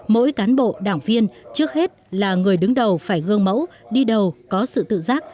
mỗi cán bộ đảng viên trước hết là người đứng đầu phải gương mẫu đi đầu có sự tự giác